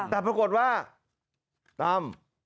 แต่ปรากฏว่าตั้ม